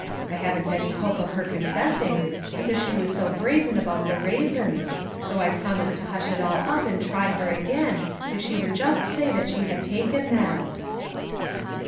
I haven't any hope of her confessing, because she was so brazen about the raisins, though I promised to hush it all up and try her again, if she would just say that she had taken them."